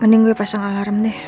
mending gue pasang alarm deh